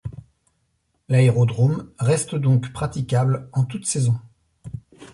L’aérodrome reste donc praticable en toute saison.